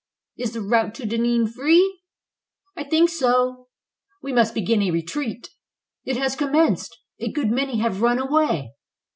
"Is the route to Dinan free?" "I think so." "We must begin a retreat." "It has commenced. A good many have run away."